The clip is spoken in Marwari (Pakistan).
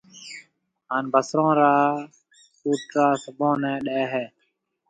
ھان بصرون را ڦوترا سڀون نيَ ڏَي ھيََََ